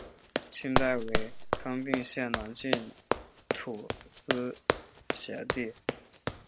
清代为康定县南境土司辖地。